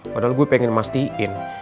padahal gue pengen mastiin